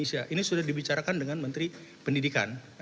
ini sudah dibicarakan dengan menteri pendidikan